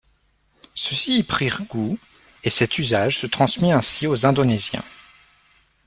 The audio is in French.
Ceux-ci y prirent goût et cet usage se transmit ainsi aux indonésiens.